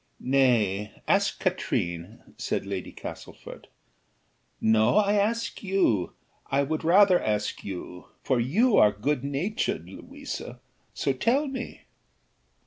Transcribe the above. "Nay, ask Katrine," said Lady Castlefort. "No, I ask you, I would rather ask you, for you are good natured, Louisa so tell me."